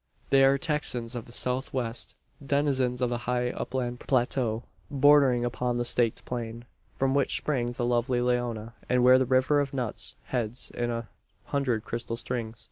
They are Texans of the south west denizens of the high upland plateau, bordering upon the "Staked Plain," from which springs the lovely Leona, and where the river of Nuts heads in a hundred crystal streams.